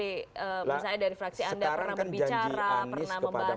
misalnya dari fraksi anda pernah berbicara pernah membahas soal itu